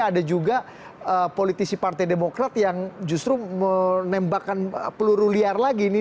ada juga politisi partai demokrat yang justru menembakkan peluru liar lagi ini